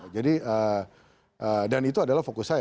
jadi dan itu adalah fokus saya